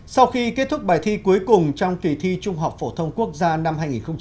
sau khi kết thúc bài thi cuối cùng trong kỳ thi trung học phổ thông quốc gia năm hai nghìn một mươi chín